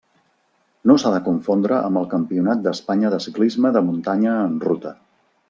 No s'ha de confondre amb el Campionat d'Espanya de ciclisme de muntanya en ruta.